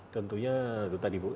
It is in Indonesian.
tentunya itu tadi bu